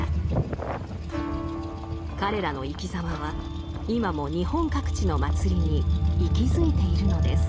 彼らの生きざまは今も日本各地の祭りに息づいているのです。